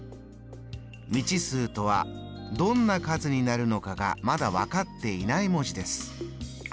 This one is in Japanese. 未知数とはどんな数になるのかがまだ分かっていない文字です。